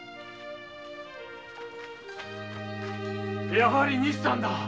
やはり西さんだ！